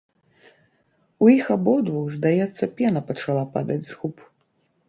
У іх абодвух, здаецца, пена пачала падаць з губ.